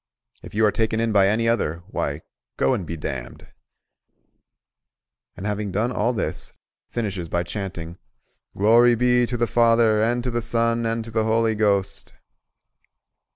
If you are taken in by any other, why, go and be damned;" and having done all this, finishes by chanting "Glory be to the Father, and to the Son, and to the Holy Ghost!"